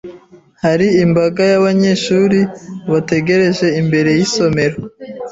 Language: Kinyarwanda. Hari imbaga yabanyeshuri bategereje imbere yisomero.